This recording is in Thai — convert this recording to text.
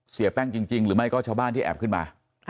เสียแป้งจริงหรือไม่ก็ชาวบ้านที่แอบขึ้นมา